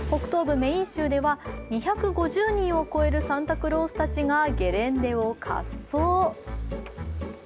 メーン州では２５０人を超えるサンタクロースたちがゲレンデを滑走。